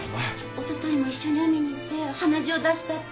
おとといも一緒に海に行って鼻血を出したって。